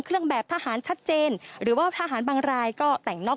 เครื่องแบบทหารชัดเจนหรือว่าทหารบางรายก็แต่งนอก